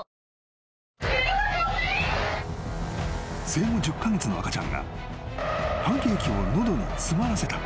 ［生後１０カ月の赤ちゃんがパンケーキを喉に詰まらせた］